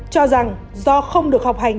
cho rằng do không được học hành